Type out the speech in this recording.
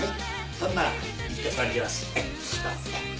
そんなら行ってさんじます。